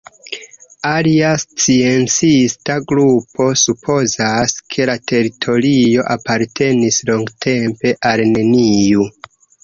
Alia sciencista grupo supozas, ke la teritorio apartenis longtempe al neniu.